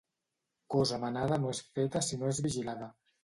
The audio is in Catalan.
Cosa manada no és feta si no és vigilada.